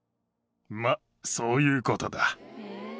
まあ、そういうことだ。